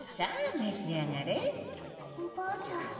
めし上がれおばあちゃん